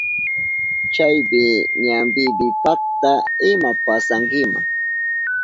Chawpi ñampipi pakta ima pasankima.